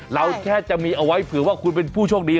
เราแค่จะมีเอาไว้เผื่อว่าคุณเป็นผู้โชคดี